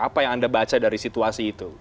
apa yang anda baca dari situasi itu